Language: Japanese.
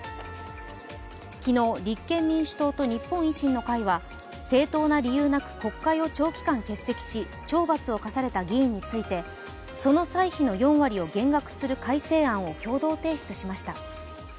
昨日、立憲民主党と日本維新の会は正当な理由なく国会を長期間欠席し、懲罰を科された議員について、その歳費の４割を減額する改正案を共同提出しました。